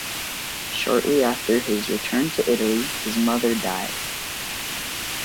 Shortly after his return to Italy, his mother died.